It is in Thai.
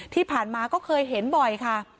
ที่ผ่านมาก็เคยเห็นบ่อยค่ะ